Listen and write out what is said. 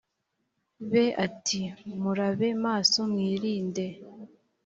be ati murabe maso mwirinde